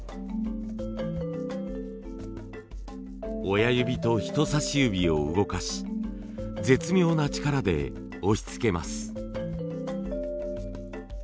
親指と人差し指を動かし絶妙な力で押しつけます。